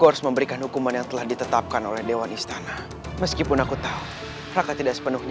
tapi abang terlalu berani memikirkan